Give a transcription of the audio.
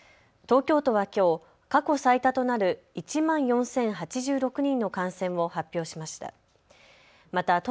東京都はきょう過去最多となる１万４０８６人の感染を発表しました。